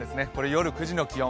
夜９時の気温。